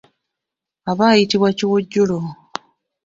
Aba ayitibwa kiwojjolo.